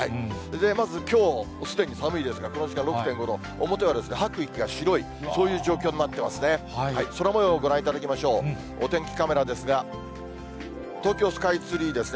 まずきょうすでに寒いですが、この時間６．５度、表は吐く息が白い、そういう状況になってますね。